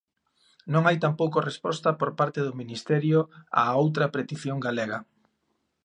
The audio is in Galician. Non hai tampouco resposta por parte do Ministerio a outra petición galega.